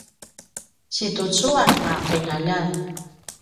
situcuan a qinaljan